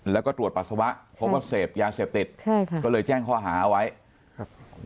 แล้วก็ตรวจปัสสาวะพบว่าเสพยาเสพติดใช่ค่ะก็เลยแจ้งข้อหาเอาไว้ครับ